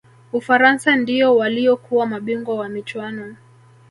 ufaransa ndiyo waliyokuwa mabingwa wa michuano